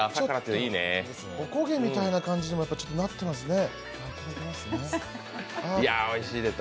おこげみたいな感じになってますね。